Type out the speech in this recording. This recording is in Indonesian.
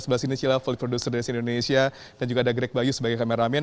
sebelah sini cilla full producer dari sin indonesia dan juga ada greg bayu sebagai kameramen